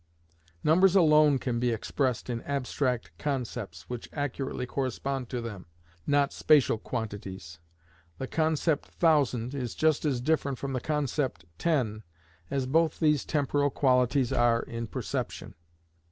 Numbers alone can be expressed in abstract concepts which accurately correspond to them, not spacial quantities. The concept "thousand" is just as different from the concept "ten," as both these temporal quantities are in perception.